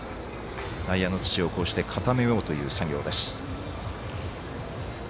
内野の土を固めようという作業です。